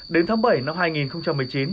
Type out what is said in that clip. đến tháng bảy năm hai nghìn một mươi chín